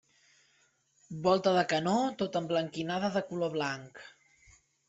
Volta de canó, tota emblanquinada de color blanc.